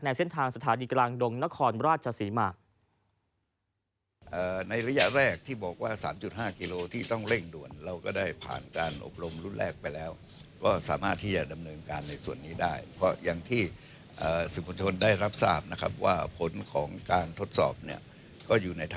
เส้นทางสถานีกลางดงนครราชศรีมา